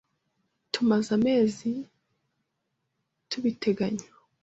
Tumaze amezi tubiteganya.